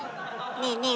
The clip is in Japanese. ねえねえ